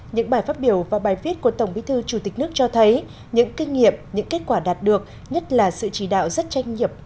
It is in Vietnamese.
những bài phát biểu và bài viết của tổng bí thư chủ tịch nước cho thấy những kinh nghiệm những kết quả đạt được nhất là sự chỉ đạo rất trách nhiệm